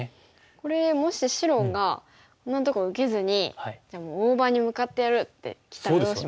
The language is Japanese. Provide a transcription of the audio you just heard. これもし白が「こんなとこ受けずにじゃあもう大場に向かってやる」ってきたらどうしますか。